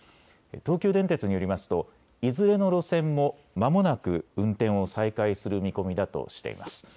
東急電鉄によりますといずれの路線もまもなく運転を再開する見込みだとしています。